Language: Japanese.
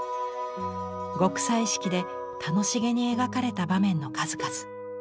極彩色で楽しげに描かれた場面の数々。